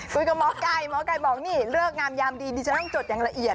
คุยกับหมอไก่หมอไก่บอกนี่เลิกงามยามดีดิฉันต้องจดอย่างละเอียด